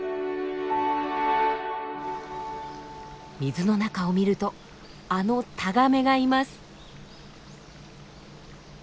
水の中を見るとあのタガメがいます。